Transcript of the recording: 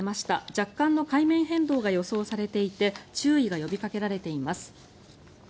若干の海面変動が予想されていて注意が呼びかけられています。